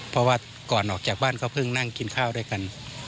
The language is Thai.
เพราะว่าก่อนออกจากบ้านก็เพิ่งนั่งกินข้าวด้วยกัน